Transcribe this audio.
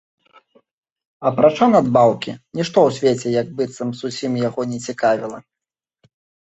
Апрача надбаўкі, нішто ў свеце, як быццам, зусім яго не цікавіла.